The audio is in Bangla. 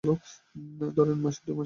ধরেন মাসে, দুমাসে একবার।